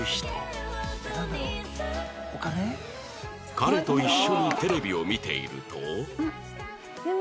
彼と一緒にテレビを見ていると